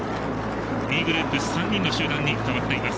２位グループ３人の集団に変わっています。